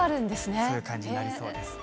そういう感じになりそうです。